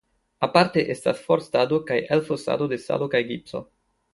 Aparte estas forstado kaj elfosado de salo kaj gipso.